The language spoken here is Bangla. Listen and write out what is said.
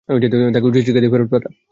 তাকে উচিৎ শিক্ষা দিয়ে ফেরত পাঠা।